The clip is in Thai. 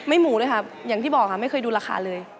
หมูเลยค่ะอย่างที่บอกค่ะไม่เคยดูราคาเลย